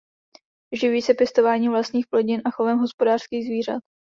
Živí se pěstováním vlastních plodin a chovem hospodářských zvířat.